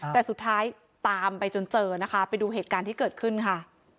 แต่สุดท้ายตามไปจนเจอนะคะไปดูเหตุการณ์ที่เกิดขึ้นค่ะ